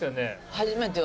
初めてよ。